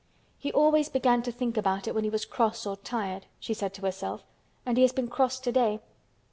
"He always began to think about it when he was cross or tired," she said to herself. "And he has been cross today.